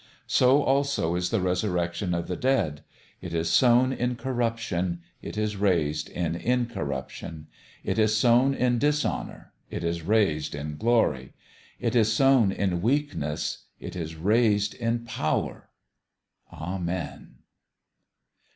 So also is the resur rection of the dead. It is sown in corruption ; it is raised in incorruption : it is sown in dishonour ; it is raised in glory : it is sown in weakness ; it is rasied in power. Amen!